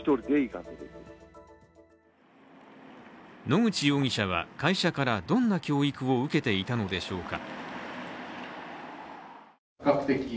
野口容疑者は会社からどんな教育を受けていたのでしょうか。